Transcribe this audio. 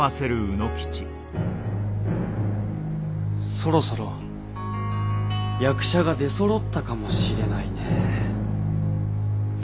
そろそろ役者が出そろったかもしれないねえ。